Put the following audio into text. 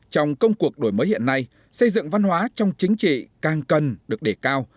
trong công cuộc đổi mới hiện nay xây dựng văn hóa trong chính trị càng cần được đề cao